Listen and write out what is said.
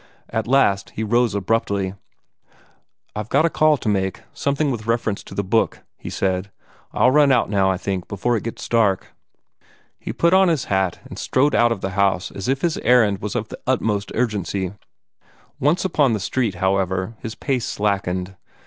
At last he rose abruptly. "I've got a call to make something with reference to the book," he said. "I'll run out now, I think, before it gets dark." He put on his hat, and strode out of the house as if his errand was of the utmost urgency. Once upon the street, however, his pace slackened.